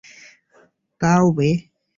তা ও বে।